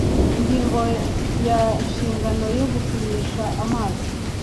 Ingingo ya Inshingano yo gupimisha amazi